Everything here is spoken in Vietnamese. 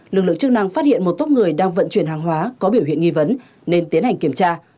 lực lượng chức năng phát hiện một tốc người đang vận chuyển hàng hóa có biểu hiện nghi vấn nên tiến hành kiểm tra